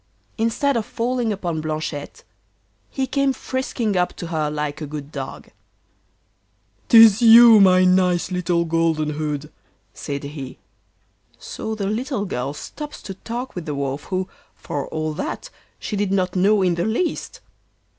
Instead of falling upon Blanchette he came frisking up to her like a good dog. ''Tis you! my nice Little Golden hood,' said he. So the little girl stops to talk with the Wolf, who, for all that, she did not know in the least.